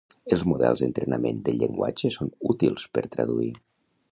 Els models d'entrenament del llenguatge són útils per traduir.